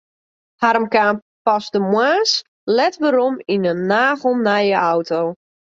Harm kaam pas de moarns let wer werom yn in nagelnije auto.